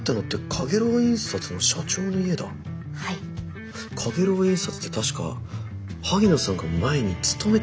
かげろう印刷って確か萩野さんが前に勤めてた会社だよね？